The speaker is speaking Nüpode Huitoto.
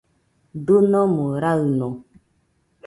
Dɨnomo raɨno